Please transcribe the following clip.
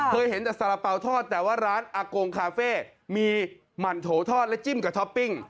เคยเห็นแต่สาระเป๋าทอดแต่ว่าร้านอากงคาเฟ่มีหมั่นโถทอดและจิ้มกับท็อปปิ้ง